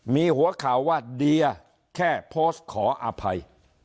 มีหัวข่าวว่าเดียแค่โพสต์ขออภัย